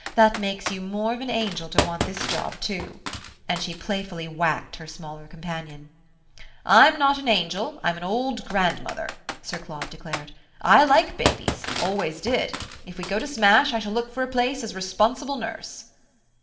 That makes you more of an angel to want this job too." And she playfully whacked her smaller companion. "I'm not an angel I'm an old grandmother," Sir Claude declared. "I like babies I always did. If we go to smash I shall look for a place as responsible nurse."